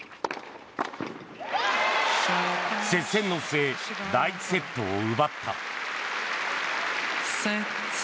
接戦の末、第１セットを奪った。